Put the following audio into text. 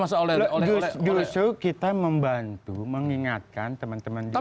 justru kita membantu mengingatkan teman teman di